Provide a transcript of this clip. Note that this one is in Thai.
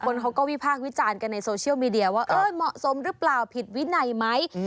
คนเขาก็วิพาทวิจารณ์กันในโซเชียลโหมสมหรือเปล่าผิดวินัยไหม